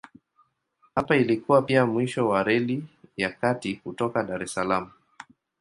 Hapa ilikuwa pia mwisho wa Reli ya Kati kutoka Dar es Salaam.